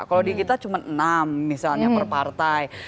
kalau di kita cuma enam misalnya per partai